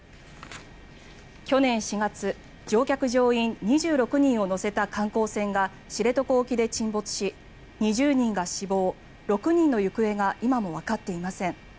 去年４月、乗客・乗員２６人を乗せた観光船が知床沖で沈没し２０人が死亡６人の行方が今もわかっていません。